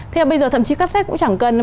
thế bây giờ thậm chí cassette cũng chẳng cần